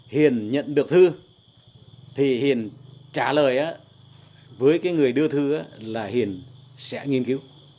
hiền nhận được thư thì hiền trả lời với người đưa thư là hiền sẽ nghiên cứu